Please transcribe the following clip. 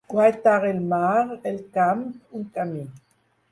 Guaitar el mar, el camp, un camí.